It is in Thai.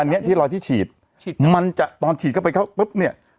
อันนี้ที่รอยที่ฉีดมันจะตอนฉีดเข้าไปเข้าปุ๊บเนี่ย